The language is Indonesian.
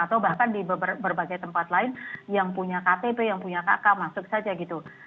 atau bahkan di berbagai tempat lain yang punya ktp yang punya kk masuk saja gitu